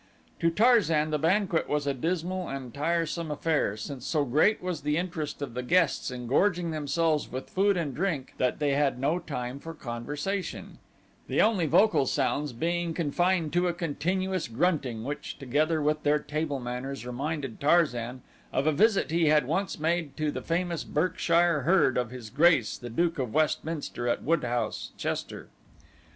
To Tarzan the banquet was a dismal and tiresome affair, since so great was the interest of the guests in gorging themselves with food and drink that they had no time for conversation, the only vocal sounds being confined to a continuous grunting which, together with their table manners reminded Tarzan of a visit he had once made to the famous Berkshire herd of His Grace, the Duke of Westminster at Woodhouse, Chester.